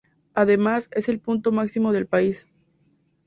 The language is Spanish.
Además es el punto máximo del país.